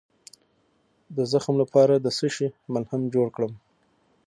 د زخم لپاره د څه شي ملهم جوړ کړم؟